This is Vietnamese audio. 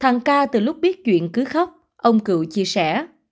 thằng cà từ lúc biết chuyện cứ khóc ông cựu chia sẻ